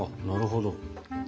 なるほど。